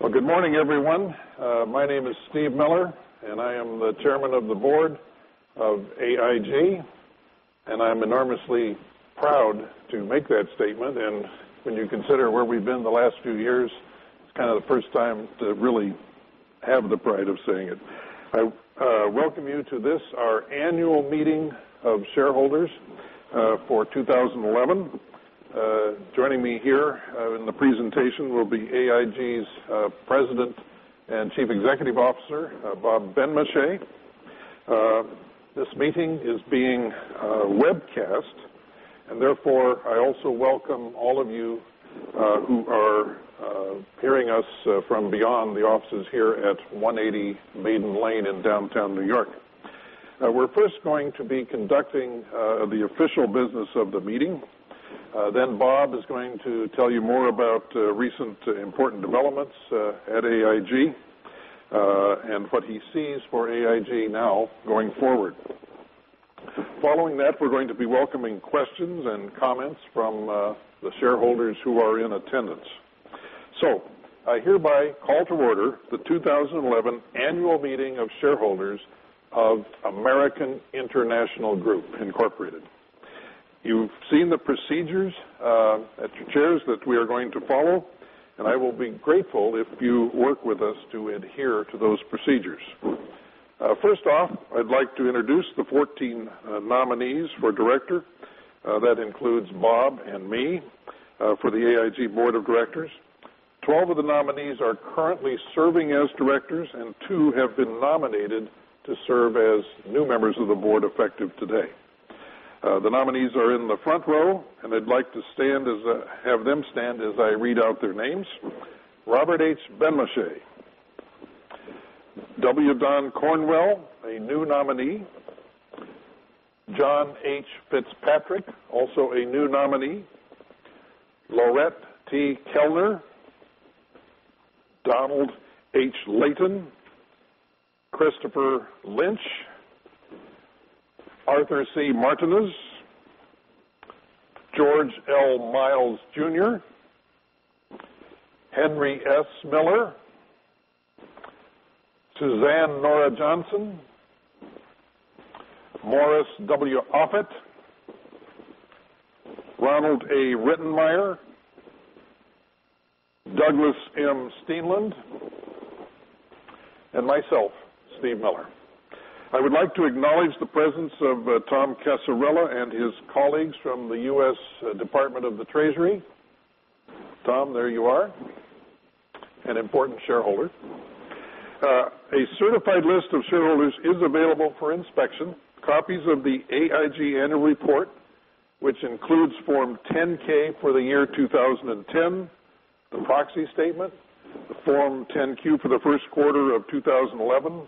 Well, good morning, everyone. My name is Steve Miller, and I am the Chairman of the Board of AIG, and I'm enormously proud to make that statement. When you consider where we've been the last few years, it's kind of the first time to really have the pride of saying it. I welcome you to this, our annual meeting of shareholders for 2011. Joining me here in the presentation will be AIG's President and Chief Executive Officer, Bob Benmosche. This meeting is being webcast, I also welcome all of you who are hearing us from beyond the offices here at 180 Maiden Lane in downtown New York. We're first going to be conducting the official business of the meeting, Bob is going to tell you more about recent important developments at AIG, and what he sees for AIG now going forward. Following that, we're going to be welcoming questions and comments from the shareholders who are in attendance. I hereby call to order the 2011 annual meeting of shareholders of American International Group Incorporated. You've seen the procedures at your chairs that we are going to follow, I will be grateful if you work with us to adhere to those procedures. First off, I'd like to introduce the 14 nominees for director. That includes Bob and me for the AIG Board of Directors. 12 of the nominees are currently serving as directors, two have been nominated to serve as new members of the board effective today. The nominees are in the front row, I'd like to have them stand as I read out their names. Robert H. Benmosche, W. Don Cornwell, a new nominee, John H. Fitzpatrick, also a new nominee, Laurette T. Koellner, Donald H. Layton, Christopher Lynch, Arthur C. Martinez, George L. Miles Jr., Henry S. Miller, Suzanne Nora Johnson, Morris W. Offit, Ronald A. Rittenmeyer, Douglas M. Steenland, and myself, Steve Miller. I would like to acknowledge the presence of Tom Casarella and his colleagues from the U.S. Department of the Treasury. Tom, there you are. An important shareholder. A certified list of shareholders is available for inspection. Copies of the AIG annual report, which includes Form 10-K for the year 2010, the proxy statement, the Form 10-Q for the first quarter of 2011,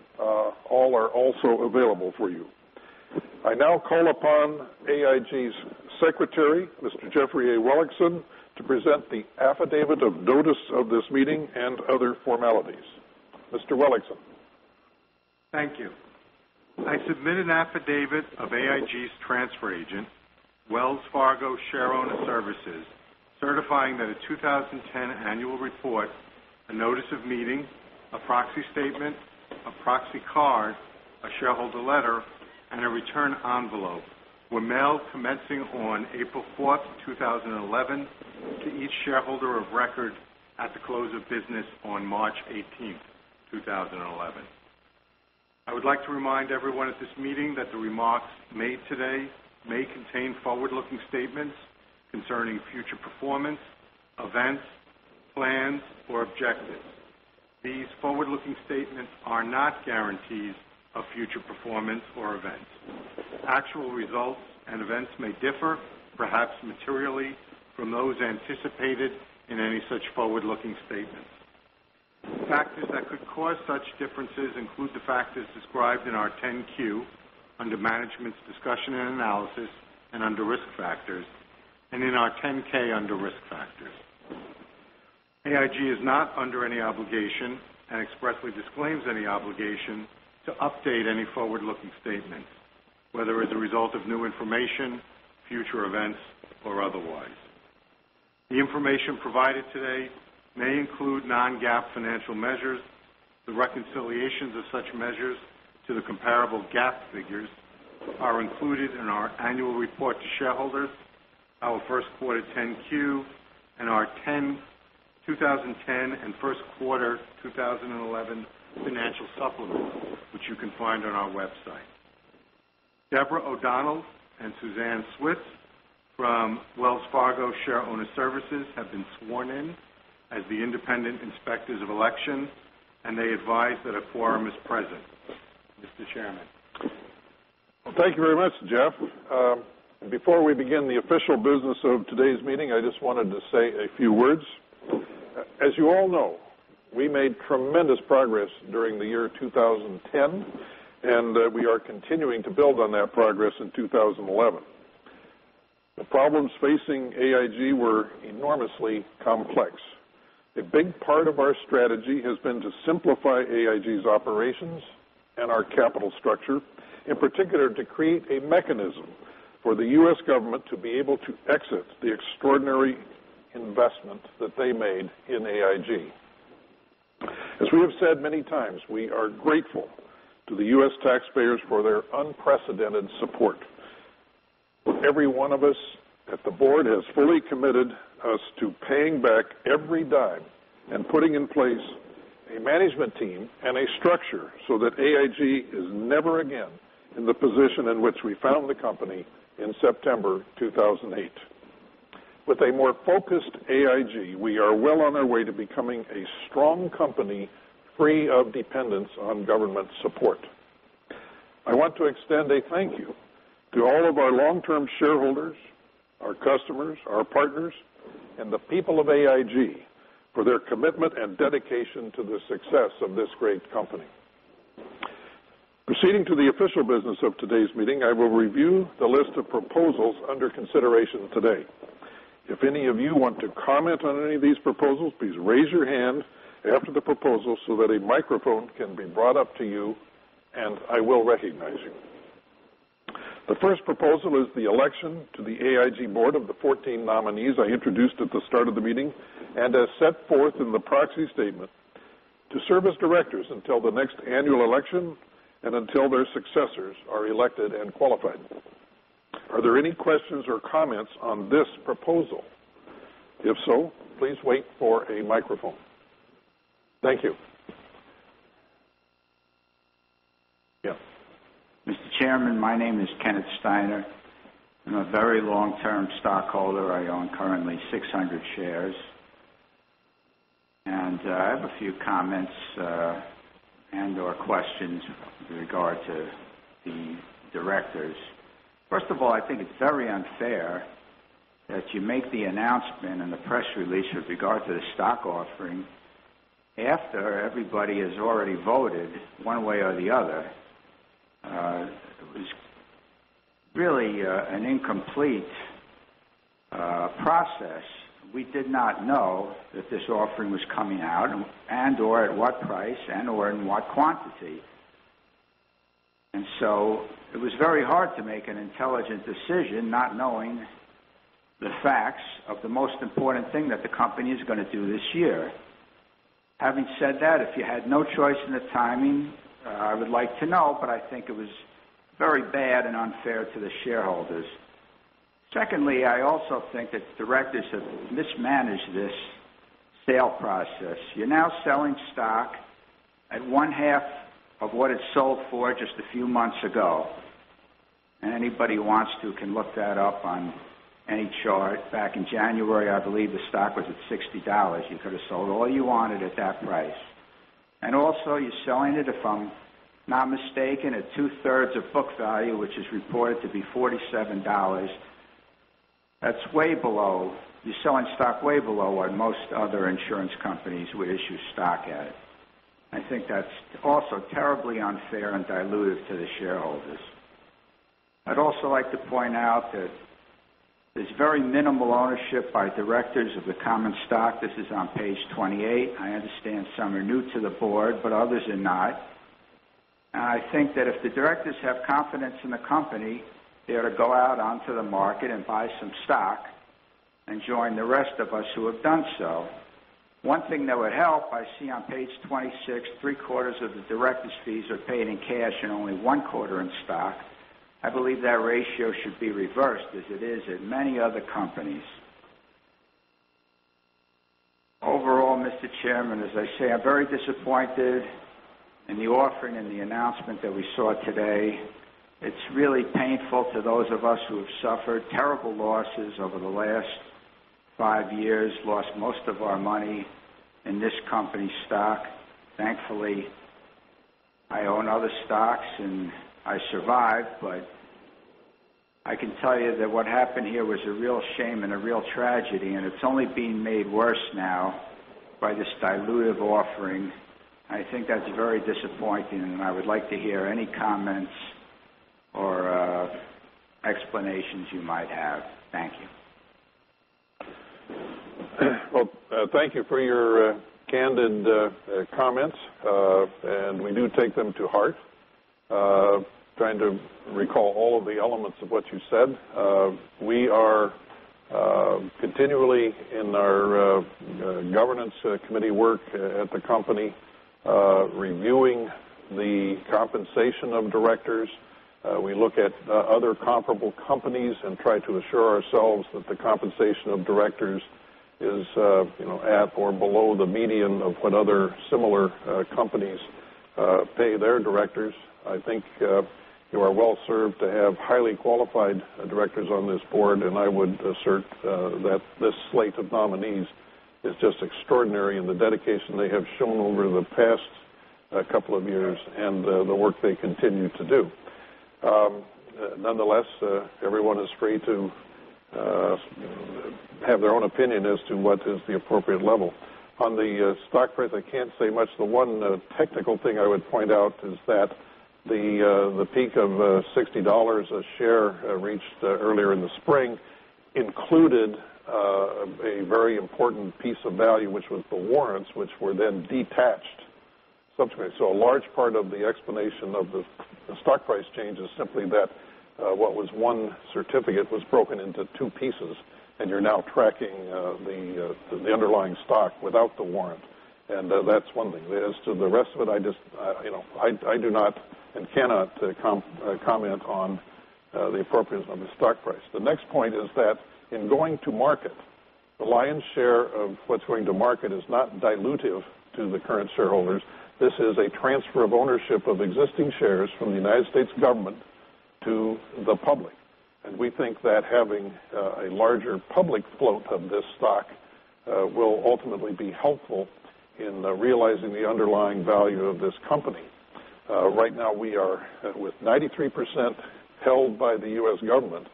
all are also available for you. I now call upon AIG's Secretary, Mr. Jeffrey A. Wellingham, to present the affidavit of notice of this meeting and other formalities. Mr. Wellingham. Thank you. I submit an affidavit of AIG's transfer agent, Wells Fargo Shareowner Services, certifying that a 2010 annual report, a notice of meeting, a proxy statement, a proxy card, a shareholder letter, a return envelope were mailed commencing on April 4th, 2011, to each shareholder of record at the close of business on March 18th, 2011. I would like to remind everyone at this meeting that the remarks made today may contain forward-looking statements concerning future performance, events, plans, or objectives. These forward-looking statements are not guarantees of future performance or events. Actual results and events may differ, perhaps materially, from those anticipated in any such forward-looking statements. Factors that could cause such differences include the factors described in our 10-Q under Management's Discussion and Analysis and under Risk Factors, in our 10-K under Risk Factors. AIG is not under any obligation, and expressly disclaims any obligation to update any forward-looking statements, whether as a result of new information, future events, or otherwise. The information provided today may include non-GAAP financial measures. The reconciliations of such measures to the comparable GAAP figures are included in our annual report to shareholders, our first quarter 10-Q, and our 2010 and first quarter 2011 financial supplement, which you can find on our website. Deborah O'Donnell and Suzanne Switz from Wells Fargo Shareowner Services have been sworn in as the independent inspectors of election, and they advise that a quorum is present. Mr. Chairman. Well, thank you very much, Jeff. Before we begin the official business of today's meeting, I just wanted to say a few words. As you all know, we made tremendous progress during the year 2010, and we are continuing to build on that progress in 2011. The problems facing AIG were enormously complex. A big part of our strategy has been to simplify AIG's operations and our capital structure, in particular, to create a mechanism for the U.S. government to be able to exit the extraordinary investment that they made in AIG. As we have said many times, we are grateful to the U.S. taxpayers for their unprecedented support. Every one of us at the board has fully committed us to paying back every dime and putting in place a management team and a structure so that AIG is never again in the position in which we found the company in September 2008. With a more focused AIG, we are well on our way to becoming a strong company, free of dependence on government support. I want to extend a thank you to all of our long-term shareholders, our customers, our partners, and the people of AIG for their commitment and dedication to the success of this great company. Proceeding to the official business of today's meeting, I will review the list of proposals under consideration today. If any of you want to comment on any of these proposals, please raise your hand after the proposal so that a microphone can be brought up to you, and I will recognize you. The first proposal is the election to the AIG board of the 14 nominees I introduced at the start of the meeting and as set forth in the proxy statement to serve as directors until the next annual election and until their successors are elected and qualified. Are there any questions or comments on this proposal? If so, please wait for a microphone. Thank you. Yeah. Mr. Chairman, my name is Kenneth Steiner. I'm a very long-term stockholder. I own currently 600 shares. I have a few comments, and/or questions with regard to the directors. First of all, I think it's very unfair that you make the announcement and the press release with regard to the stock offering after everybody has already voted one way or the other. It was really an incomplete process. We did not know that this offering was coming out and/or at what price and/or in what quantity. It was very hard to make an intelligent decision not knowing the facts of the most important thing that the company is going to do this year. Having said that, if you had no choice in the timing, I would like to know, I think it was very bad and unfair to the shareholders. Secondly, I also think that the directors have mismanaged this sale process. You're now selling stock at one-half of what it sold for just a few months ago, anybody who wants to can look that up on any chart. Back in January, I believe the stock was at $60. You could have sold all you wanted at that price. Also, you're selling it, if I'm not mistaken, at two-thirds of book value, which is reported to be $47. You're selling stock way below what most other insurance companies would issue stock at. I think that's also terribly unfair and dilutive to the shareholders. I'd also like to point out that there's very minimal ownership by directors of the common stock. This is on page 28. I understand some are new to the board, others are not. I think that if the directors have confidence in the company, they ought to go out onto the market and buy some stock and join the rest of us who have done so. One thing that would help, I see on page 26, three-quarters of the directors' fees are paid in cash and only one-quarter in stock. I believe that ratio should be reversed as it is at many other companies. Overall, Mr. Chairman, as I say, I'm very disappointed in the offering and the announcement that we saw today. It's really painful to those of us who have suffered terrible losses over the last five years, lost most of our money in this company's stock. Thankfully, I own other stocks I survived, I can tell you that what happened here was a real shame and a real tragedy, it's only being made worse now by this dilutive offering. I think that's very disappointing I would like to hear any comments or explanations you might have. Thank you. Well, thank you for your candid comments. We do take them to heart. Trying to recall all of the elements of what you said. We are continually in our governance committee work at the company, reviewing the compensation of directors. We look at other comparable companies and try to assure ourselves that the compensation of directors is at or below the median of what other similar companies pay their directors. I think you are well-served to have highly qualified directors on this board, and I would assert that this slate of nominees is just extraordinary in the dedication they have shown over the past couple of years and the work they continue to do. Nonetheless, everyone is free to have their own opinion as to what is the appropriate level. On the stock price, I can't say much. The one technical thing I would point out is that the peak of $60 a share reached earlier in the spring included a very important piece of value, which was the warrants, which were then detached. A large part of the explanation of the stock price change is simply that what was one certificate was broken into two pieces, and you're now tracking the underlying stock without the warrant. That's one thing. As to the rest of it, I do not and cannot comment on the appropriateness of the stock price. The next point is that in going to market, the lion's share of what's going to market is not dilutive to the current shareholders. This is a transfer of ownership of existing shares from the U.S. government to the public. We think that having a larger public float of this stock will ultimately be helpful in realizing the underlying value of this company. Right now, we are with 93% held by the U.S. government,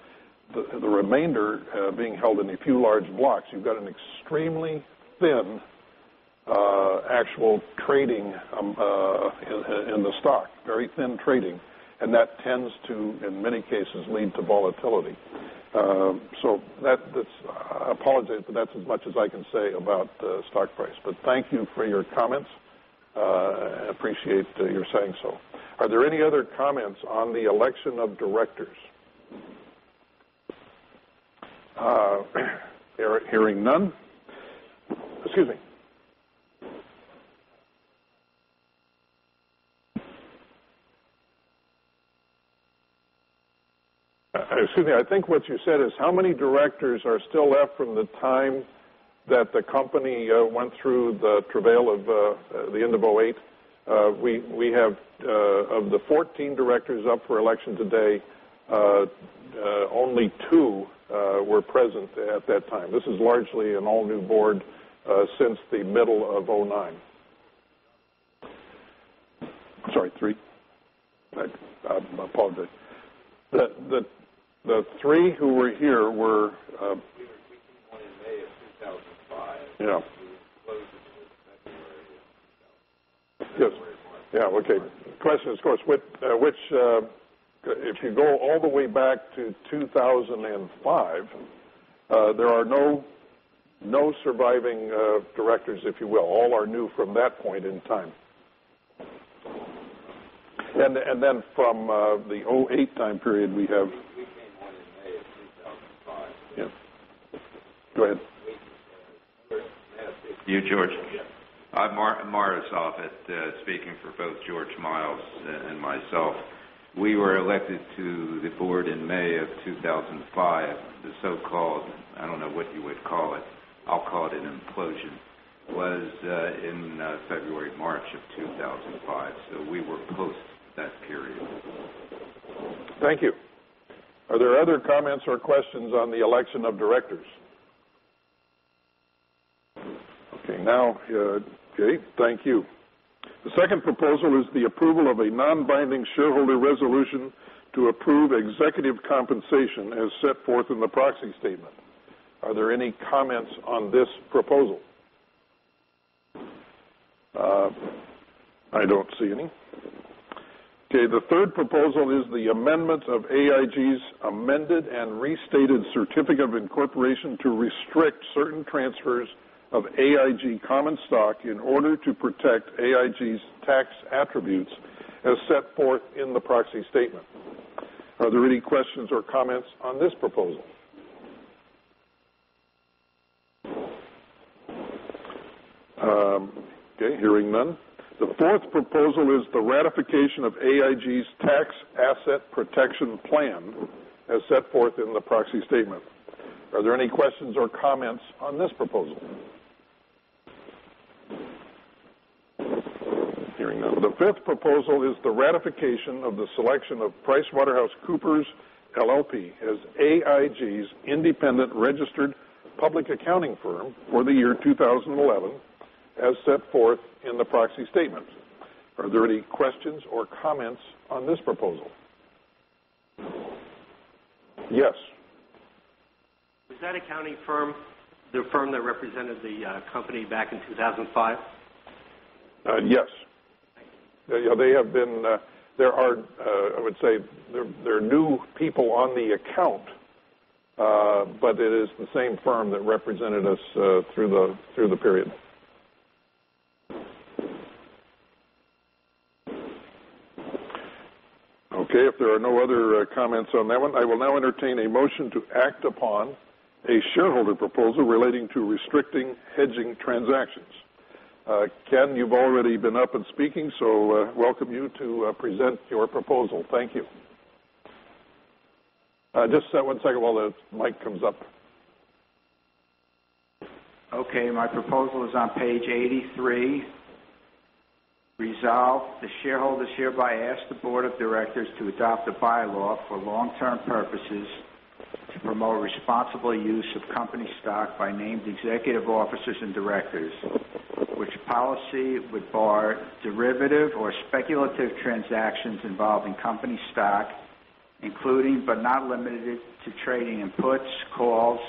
the remainder being held in a few large blocks. You've got an extremely thin actual trading in the stock, very thin trading, and that tends to, in many cases, lead to volatility. I apologize, but that's as much as I can say about the stock price. Thank you for your comments. I appreciate your saying so. Are there any other comments on the election of directors? Hearing none. Excuse me. Excuse me. I think what you said is how many directors are still left from the time that the company went through the travail of the end of 2008. We have of the 14 directors up for election today, only two were present at that time. This is largely an all-new board since the middle of 2009. I'm sorry, three? I apologize. The three who were here were. We were keeping one in May of 2005. Yeah. The implosion was February of 2005. Yes. Yeah. Okay. Question is, of course, if you go all the way back to 2005, there are no surviving directors, if you will. All are new from that point in time. And then from the 2008 time period, we have. We came on in May of 2005. Yeah. Go ahead. You George. Yeah. I'm Morris Offit, speaking for both George Miles and myself. We were elected to the board in May of 2005. The so-called, I don't know what you would call it, I'll call it an implosion, was in February, March of 2005. We were post that period. Thank you. Are there other comments or questions on the election of directors? Okay. Thank you. The second proposal is the approval of a non-binding shareholder resolution to approve executive compensation as set forth in the proxy statement. Are there any comments on this proposal? I don't see any. Okay. The third proposal is the amendment of AIG's amended and restated certificate of incorporation to restrict certain transfers of AIG common stock in order to protect AIG's tax attributes as set forth in the proxy statement. Are there any questions or comments on this proposal? Hearing none. The fourth proposal is the ratification of AIG's tax asset protection plan as set forth in the proxy statement. Are there any questions or comments on this proposal? Hearing none. The fifth proposal is the ratification of the selection of PricewaterhouseCoopers LLP as AIG's independent registered public accounting firm for the year 2011, as set forth in the proxy statement. Are there any questions or comments on this proposal? Yes. Is that accounting firm the firm that represented the company back in 2005? Yes. Thank you. I would say there are new people on the account, but it is the same firm that represented us through the period. Okay. If there are no other comments on that one, I will now entertain a motion to act upon a shareholder proposal relating to restricting hedging transactions. Ken, you've already been up and speaking, welcome you to present your proposal. Thank you. Just one second while the mic comes up. Okay. My proposal is on page 83. Resolved, the shareholders hereby ask the board of directors to adopt a bylaw for long-term purposes to promote responsible use of company stock by named executive officers and directors. Which policy would bar derivative or speculative transactions involving company stock, including but not limited to trading in puts, calls,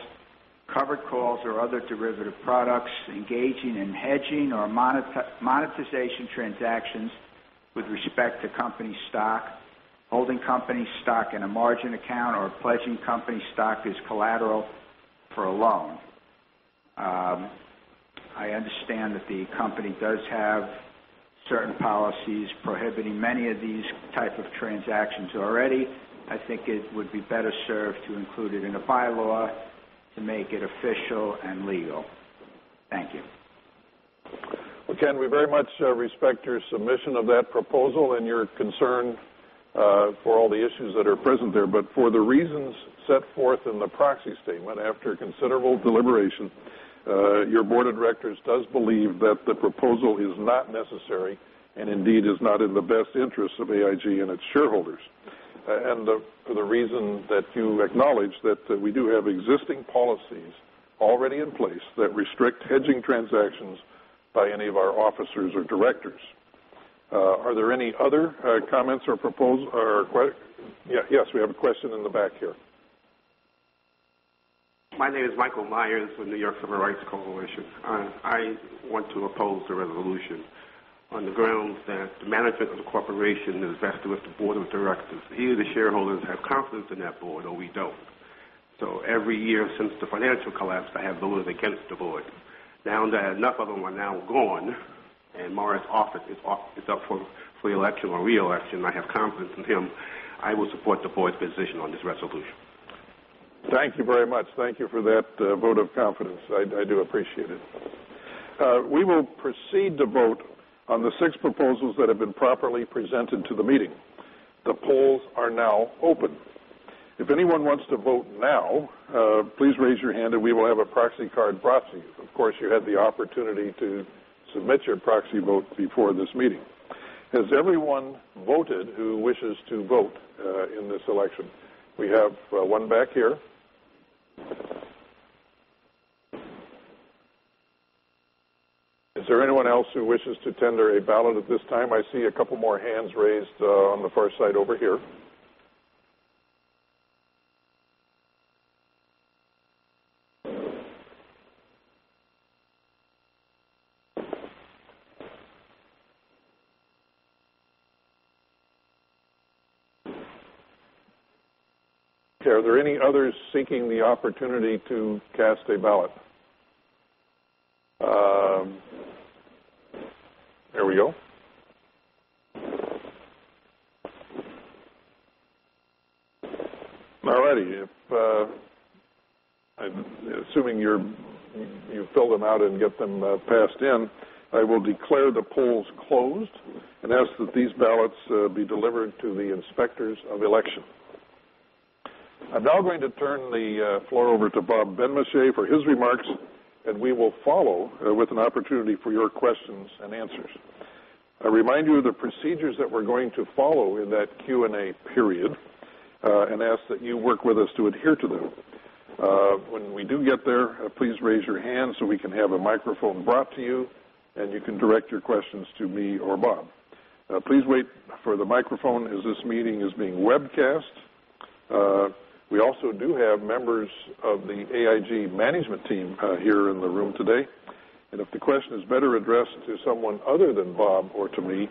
covered calls, or other derivative products, engaging in hedging or monetization transactions with respect to company stock, holding company stock in a margin account, or pledging company stock as collateral for a loan. I understand that the company does have certain policies prohibiting many of these type of transactions already. I think it would be better served to include it in a bylaw to make it official and legal. Thank you. Well, Ken, we very much respect your submission of that proposal and your concern for all the issues that are present there. For the reasons set forth in the proxy statement, after considerable deliberation, your board of directors does believe that the proposal is not necessary and indeed is not in the best interest of AIG and its shareholders. For the reason that you acknowledge that we do have existing policies already in place that restrict hedging transactions by any of our officers or directors. Are there any other comments or proposals or Yes, we have a question in the back here. My name is Michael Meyers with New York Civil Rights Coalition. I want to oppose the resolution on the grounds that the management of the corporation is vested with the board of directors. Either the shareholders have confidence in that board or we don't. Every year since the financial collapse, I have voted against the board. Now that enough of them are now gone and Morris Offit is up for election or reelection, I have confidence in him, I will support the board's position on this resolution. Thank you very much. Thank you for that vote of confidence. I do appreciate it. We will proceed to vote on the six proposals that have been properly presented to the meeting. The polls are now open. If anyone wants to vote now, please raise your hand and we will have a proxy card proxy. Of course, you had the opportunity to submit your proxy vote before this meeting. Has everyone voted who wishes to vote in this election? We have one back here. Is there anyone else who wishes to tender a ballot at this time? I see a couple more hands raised on the far side over here. Okay. Are there any others seeking the opportunity to cast a ballot? There we go. All righty. Assuming you fill them out and get them passed in, I will declare the polls closed and ask that these ballots be delivered to the inspectors of election. I am now going to turn the floor over to Bob Benmosche for his remarks. We will follow with an opportunity for your questions and answers. I remind you of the procedures that we are going to follow in that Q&A period. Ask that you work with us to adhere to them. When we do get there, please raise your hand so we can have a microphone brought to you. You can direct your questions to me or Bob Benmosche. Please wait for the microphone as this meeting is being webcast. We also do have members of the AIG management team here in the room today. If the question is better addressed to someone other than Bob or to me,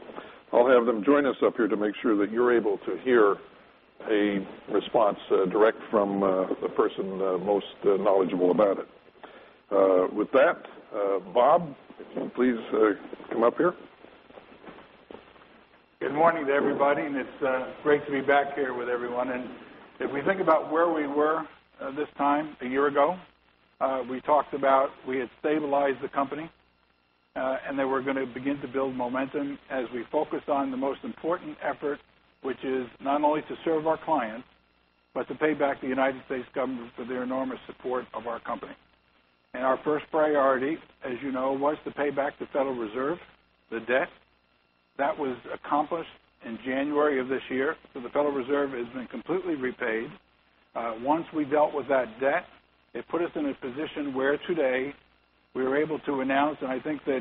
I will have them join us up here to make sure that you are able to hear a response direct from the person most knowledgeable about it. With that, Bob, please come up here. Good morning to everybody. It is great to be back here with everyone. If we think about where we were this time a year ago, we talked about we had stabilized the company, and that we are going to begin to build momentum as we focus on the most important effort, which is not only to serve our clients, but to pay back the United States government for their enormous support of our company. Our first priority, as you know, was to pay back the Federal Reserve, the debt. That was accomplished in January of this year, so the Federal Reserve has been completely repaid. Once we dealt with that debt, it put us in a position where today we were able to announce. I think that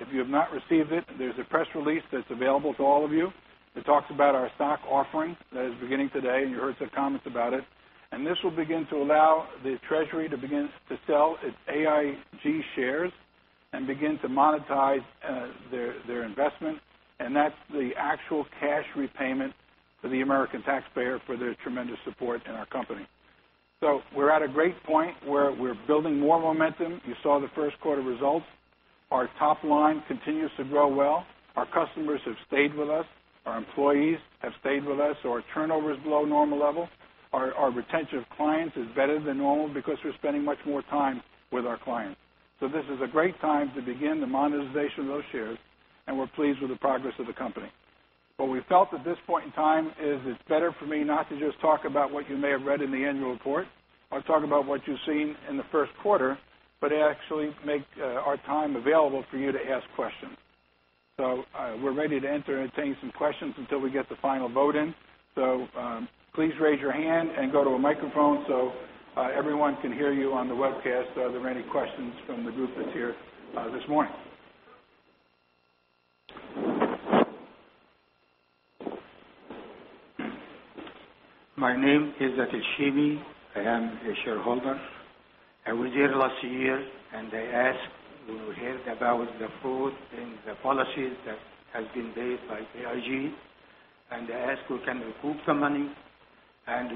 if you have not received it, there is a press release that is available to all of you. It talks about our stock offering that is beginning today. You heard some comments about it. This will begin to allow the Treasury to begin to sell its AIG shares and begin to monetize their investment. That is the actual cash repayment for the American taxpayer for their tremendous support in our company. We are at a great point where we are building more momentum. You saw the first quarter results. Our top line continues to grow well. Our customers have stayed with us. Our employees have stayed with us. Our turnover is below normal level. Our retention of clients is better than normal because we are spending much more time with our clients. This is a great time to begin the monetization of those shares. We are pleased with the progress of the company. What we felt at this point in time is it's better for me not to just talk about what you may have read in the annual report or talk about what you've seen in the first quarter, but actually make our time available for you to ask questions. We're ready to entertain some questions until we get the final vote in. Please raise your hand and go to a microphone so everyone can hear you on the webcast if there are any questions from the group that's here this morning. My name is Atishimi. I am a shareholder. I was here last year, I asked, we heard about the fraud and the policies that have been made by AIG, I ask we can recoup some money.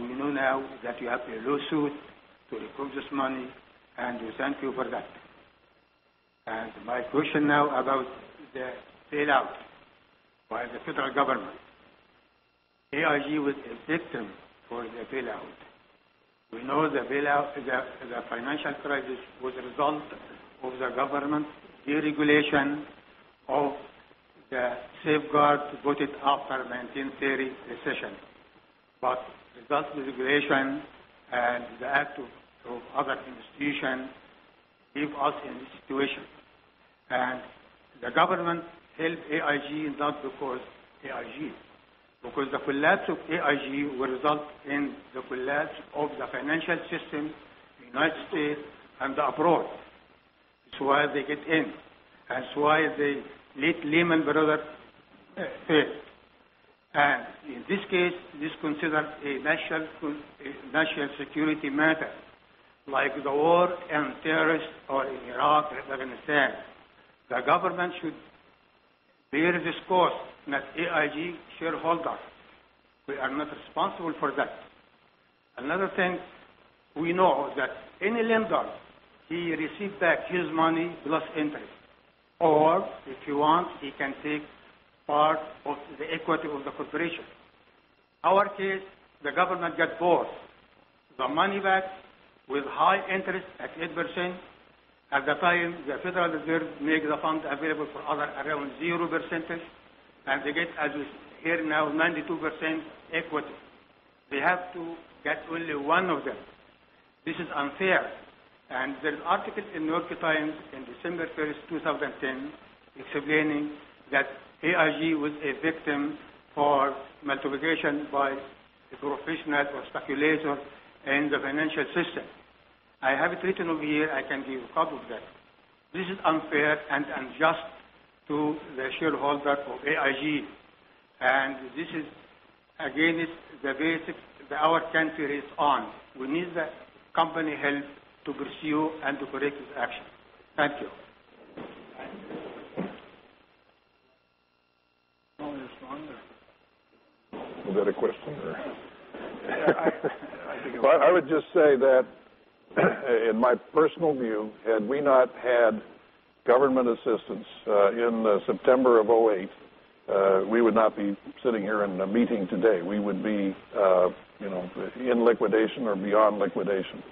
We know now that you have a lawsuit to recoup this money, we thank you for that. My question now about the bailout by the federal government. AIG was a victim for the bailout. We know the financial crisis was a result of the government's deregulation of the safeguards put it after 1930 recession. Result regulation and the act of other institutions leave us in this situation. The government helped AIG, not because AIG. Because the collapse of AIG will result in the collapse of the financial system in U.S. and abroad. It's why they get in, it's why they let Lehman Brothers fail. In this case, this considered a national security matter, like the war and terrorists or in Iraq and Afghanistan. The government should bear this cost, not AIG shareholders. We are not responsible for that. Another thing, we know that any lender, he receive back his money plus interest, or if he wants, he can take part of the equity of the corporation. Our case, the government get both. The money back with high interest at 8%, at the time the Federal Reserve make the funds available for other around 0%, they get, as we hear now, 92% equity. They have to get only one of them. This is unfair. There's article in The New York Times in December 1st, 2010, explaining that AIG was a victim for manipulation by the professional or speculator in the financial system. I have it written over here. I can give a copy of that. This is unfair and unjust to the shareholder of AIG, this is against the basics that our country is on. We need the company help to pursue and to correct this action. Thank you. Want a response or? Is that a question or? I think it was. I would just say that in my personal view, had we not had government assistance in September of 2008, we would not be sitting here in a meeting today. We would be in liquidation or beyond liquidation.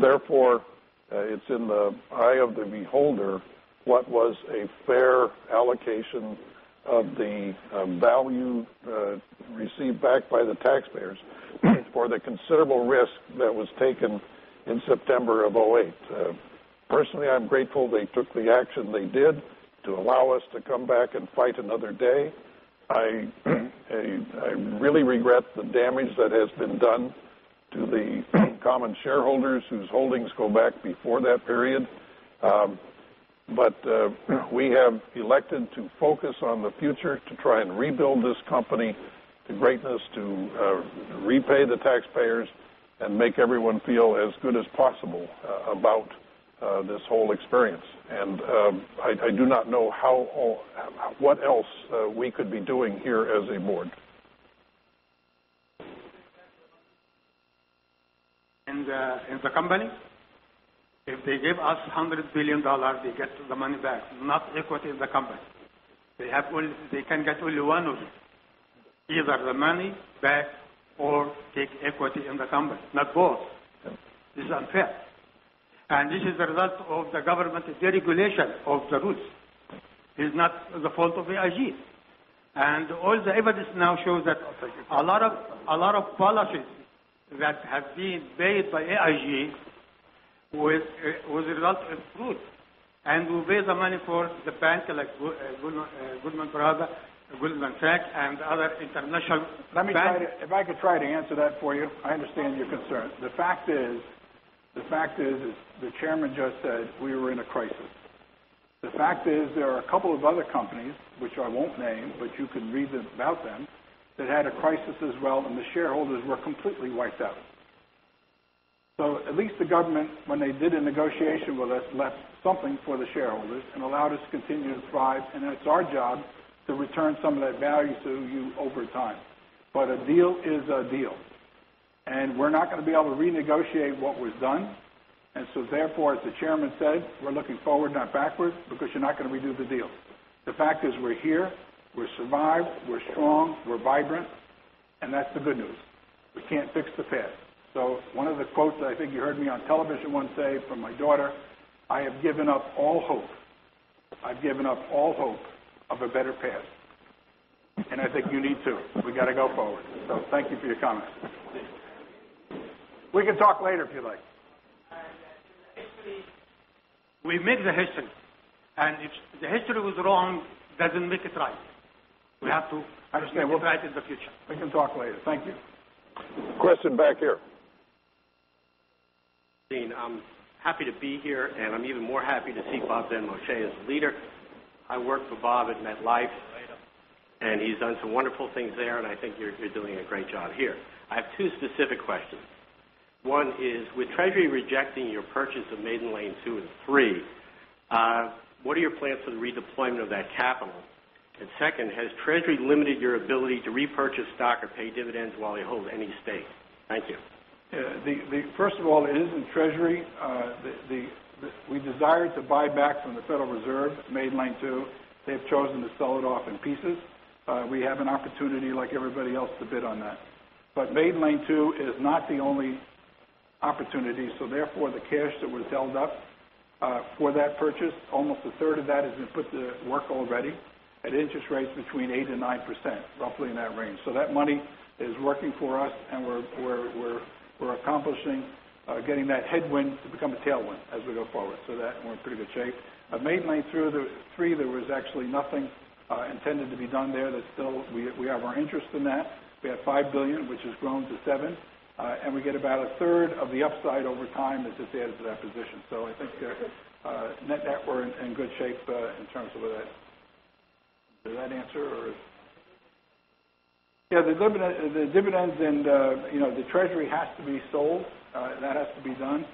Therefore, it's in the eye of the beholder what was a fair allocation of the value received back by the taxpayers for the considerable risk that was taken in September of 2008. Personally, I'm grateful they took the action they did to allow us to come back and fight another day. I really regret the damage that has been done to the common shareholders whose holdings go back before that period. We have elected to focus on the future to try and rebuild this company to greatness, to repay the taxpayers, and make everyone feel as good as possible about this whole experience. I do not know what else we could be doing here as a board. In the company? If they give us $100 billion, they get the money back, not equity in the company. They can get only one of it. Either the money back or take equity in the company, not both. Okay. This is unfair. This is the result of the government's deregulation of the rules. It's not the fault of AIG. All the evidence now shows that a lot of policies that have been paid by AIG was a result of fraud, and who pay the money for the banks like Goldman Sachs and other international banks. If I could try to answer that for you. I understand your concern. The fact is, as the chairman just said, we were in a crisis. The fact is, there are a couple of other companies, which I won't name, but you can read about them, that had a crisis as well, and the shareholders were completely wiped out. At least the government, when they did a negotiation with us, left something for the shareholders and allowed us to continue to thrive. It's our job to return some of that value to you over time. A deal is a deal, and we're not going to be able to renegotiate what was done. Therefore, as the chairman said, we're looking forward, not backwards, because you're not going to redo the deal. The fact is we're here, we survived, we're strong, we're vibrant, and that's the good news. We can't fix the past. One of the quotes, I think you heard me on television once say from my daughter, "I have given up all hope. I've given up all hope of a better past." I think you need to. We got to go forward. Thank you for your comment. We can talk later, if you like. Actually, we made the history, and if the history was wrong, doesn't make it right. I understand look right in the future. We can talk later. Thank you. Question back here. Dean, I'm happy to be here, and I'm even more happy to see Bob Benmosche as the leader. I worked for Bob at MetLife, and he's done some wonderful things there, and I think you're doing a great job here. I have two specific questions. One is, with Treasury rejecting your purchase of Maiden Lane II and III, what are your plans for the redeployment of that capital? Second, has Treasury limited your ability to repurchase stock or pay dividends while you hold any stake? Thank you. First of all, it isn't Treasury. We desired to buy back from the Federal Reserve, Maiden Lane II. They've chosen to sell it off in pieces. We have an opportunity like everybody else to bid on that. Maiden Lane II is not the only opportunity. Therefore, the cash that was held up for that purchase, almost a third of that has been put to work already at interest rates between 8% and 9%, roughly in that range. That money is working for us and we're accomplishing getting that headwind to become a tailwind as we go forward. That, we're in pretty good shape. At Maiden Lane III, there was actually nothing intended to be done there. We have our interest in that. We had $5 billion, which has grown to seven, and we get about a third of the upside over time that's just added to that position. I think net, we're in good shape in terms of that. Does that answer or? Yeah, the dividends and the Treasury has to be sold. That has to be done.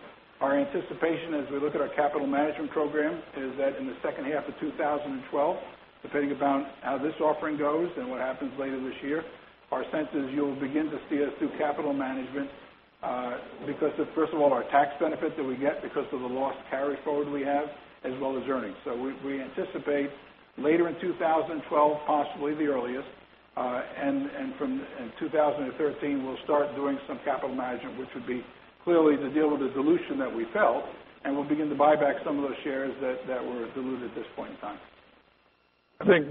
Our anticipation as we look at our capital management program is that in the second half of 2012, depending upon how this offering goes and what happens later this year, our sense is you'll begin to see us do capital management because of, first of all, our tax benefit that we get because of the loss carry-forward we have, as well as earnings. We anticipate later in 2012, possibly the earliest, and from 2013, we'll start doing some capital management, which would be clearly to deal with the dilution that we felt, and we'll begin to buy back some of those shares that were diluted at this point in time. I think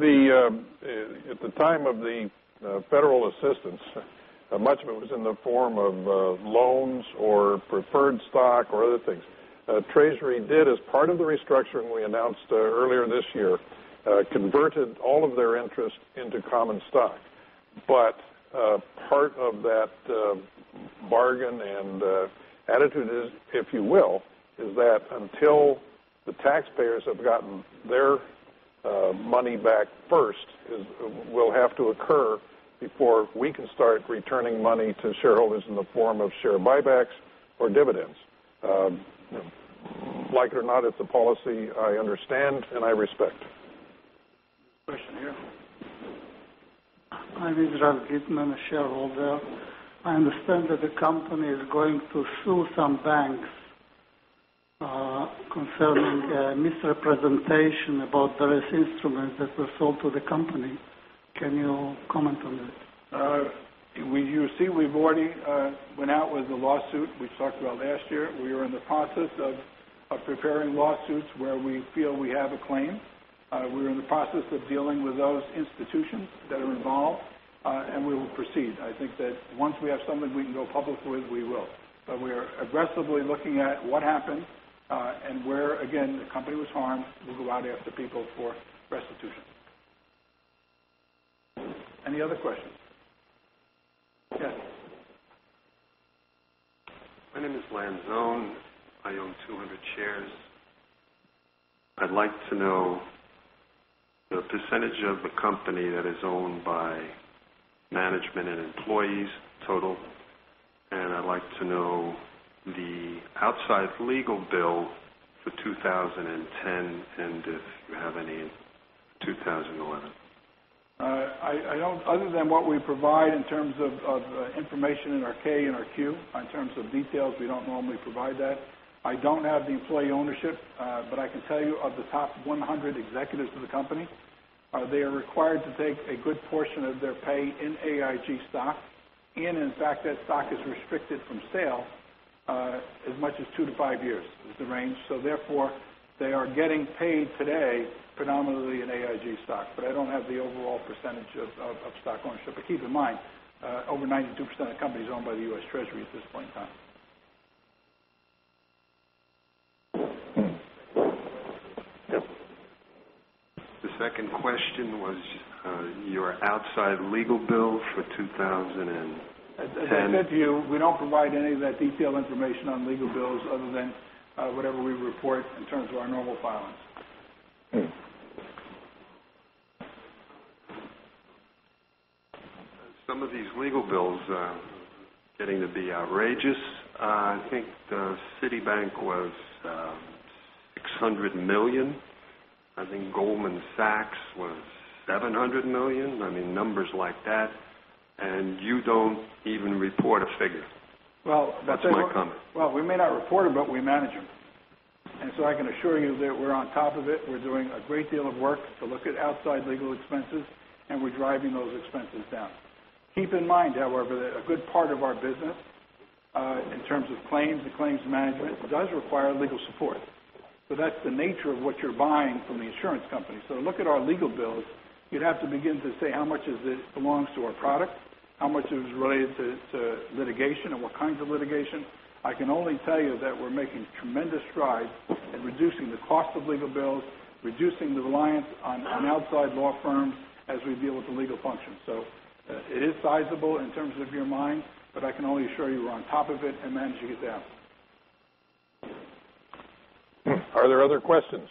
at the time of the federal assistance, much of it was in the form of loans or preferred stock or other things. Treasury did, as part of the restructuring we announced earlier this year, converted all of their interest into common stock. Part of that bargain and attitude is, if you will, is that until the taxpayers have gotten their money back first, will have to occur before we can start returning money to shareholders in the form of share buybacks or dividends. Like it or not, it's a policy I understand and I respect. Question here. I'm Israel Gitman, a shareholder. I understand that the company is going to sue some banks concerning misrepresentation about various instruments that were sold to the company. Can you comment on that? You see, we've already went out with a lawsuit. We talked about it last year. We are in the process of preparing lawsuits where we feel we have a claim. We're in the process of dealing with those institutions that are involved. We will proceed. I think that once we have something we can go public with, we will. We are aggressively looking at what happened and where, again, the company was harmed, we'll go out after people for restitution. Any other questions? Yes. My name is Lance Zone. I own 200 shares. I'd like to know the percentage of the company that is owned by management and employees total. I'd like to know the outside legal bill for 2010, if you have any, 2011. Other than what we provide in terms of information in our K and our Q, in terms of details, we don't normally provide that. I don't have the employee ownership. I can tell you of the top 100 executives of the company, they are required to take a good portion of their pay in AIG stock. In fact, that stock is restricted from sale, as much as two to five years is the range. Therefore, they are getting paid today predominantly in AIG stock. I don't have the overall percentage of stock ownership. Keep in mind, over 92% of the company is owned by the U.S. Treasury at this point in time. The second question was your outside legal bill for 2010. As I said to you, we don't provide any of that detailed information on legal bills other than whatever we report in terms of our normal filings. Some of these legal bills are getting to be outrageous. I think Citibank was $600 million. I think Goldman Sachs was $700 million. I mean, numbers like that. You don't even report a figure. Well- That's my comment. Well, we may not report them, but we manage them. I can assure you that we're on top of it. We're doing a great deal of work to look at outside legal expenses, and we're driving those expenses down. Keep in mind, however, that a good part of our business, in terms of claims and claims management, does require legal support. That's the nature of what you're buying from the insurance company. To look at our legal bills, you'd have to begin to say how much of this belongs to our product, how much is related to litigation, and what kinds of litigation. I can only tell you that we're making tremendous strides in reducing the cost of legal bills, reducing the reliance on outside law firms as we deal with the legal function. It is sizable in terms of your mind, but I can only assure you we're on top of it and managing it down. Are there other questions?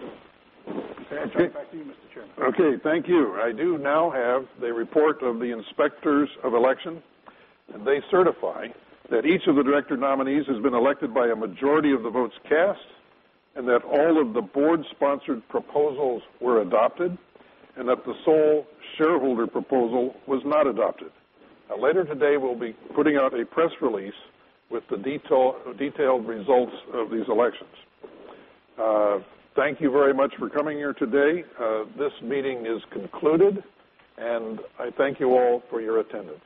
I'll turn it back to you, Mr. Chair. Okay, thank you. I do now have the report of the inspectors of election. They certify that each of the director nominees has been elected by a majority of the votes cast, and that all of the board-sponsored proposals were adopted, and that the sole shareholder proposal was not adopted. Now, later today, we'll be putting out a press release with the detailed results of these elections. Thank you very much for coming here today. This meeting is concluded, and I thank you all for your attendance.